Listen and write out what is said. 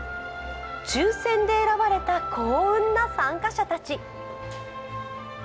抽選で選ばれた幸運な参加者たち。